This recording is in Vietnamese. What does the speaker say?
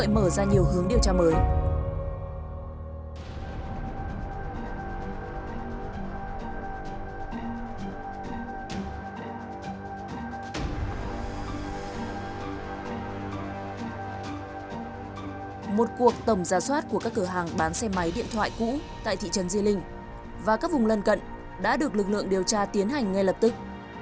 một cuộc tổng gia soát của các cửa hàng bán xe máy điện thoại cũ tại thị trấn di linh và các vùng lân cận đã được lực lượng điều tra tiến hành ngay lập tức